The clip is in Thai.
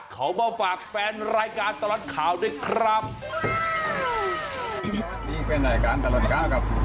เขามาฝากแฟนรายการตลอดข่าวด้วยครับ